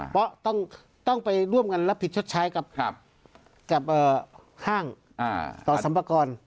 เพราะต้องไปร่วมกันรับผิดชดใช้กับห้างต่อสัมพากร